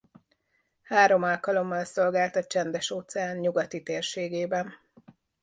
Három alkalommal szolgált a Csendes-óceán nyugati térségében.